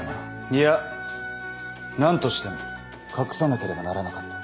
いや何としても隠さなければならなかった。